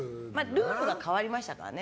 ルールが変わりましたからね。